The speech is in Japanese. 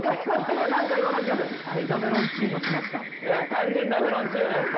完全にダメロンチーノやってた。